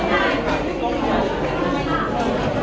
ที่เจนนี่ของกล้องนี้นะคะ